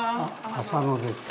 浅野です。